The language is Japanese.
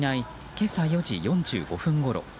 今朝４時４５分ごろ。